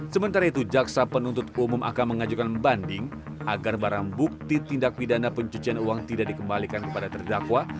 sementara itu jaksa penuntut umum akan mengajukan banding agar barang bukti tindak pidana pencucian uang tidak dikembalikan kepada terdakwa